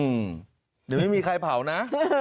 อืมไม่มีใครเผานะ